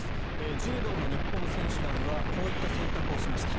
柔道の日本選手団はこういった選択をしました。